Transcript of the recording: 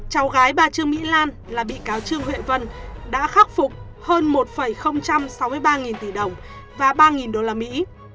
cháu gái bà trương mỹ lan là bị cáo trương huệ vân đã khắc phục hơn một sáu mươi ba nghìn tỷ đồng và ba đô la mỹ